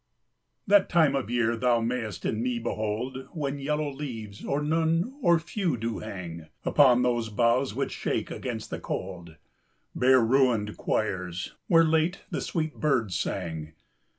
That time of year thou may's t in me behold When yellow leaves, or none, or few do hang Upon those boughs which shake against the cold. Bare ruin'd choirs, where late the sweet birds sang.